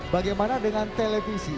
bagaimana dengan televisi